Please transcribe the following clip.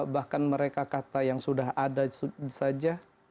bahkan mereka kata yang sudah ada saja